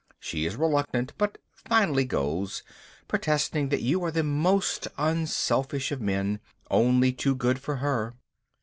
She is reluctant, but finally goes, protesting that you are the most unselfish of men, and only too good for her.